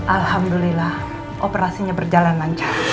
alhamdulillah operasinya berjalan lancar